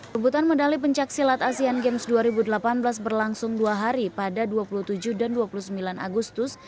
pembuatan medali pencaksilat asean games dua ribu delapan belas berlangsung dua hari pada dua puluh tujuh dan dua puluh sembilan agustus